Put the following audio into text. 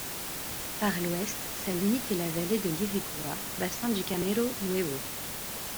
Par l'Ouest sa limite est la vallée de l'Iregua, bassin du Camero Nuevo.